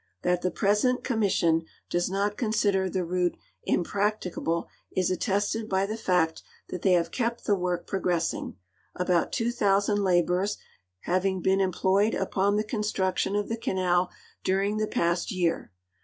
That the present commission does not consider the route im practicable is attested by tlie fact that they have kept the work progressing, al)out 2,000 laborers having been employed upon the construction of the canal during the past year.